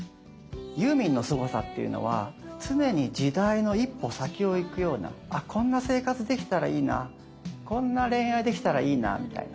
ユーミンのすごさっていうのは常に時代の一歩先を行くようなあこんな生活できたらいいなこんな恋愛できたらいいなみたいな